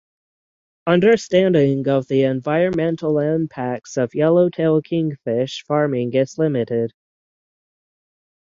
Understanding of the environmental impacts of yellowtail kingfish farming is limited.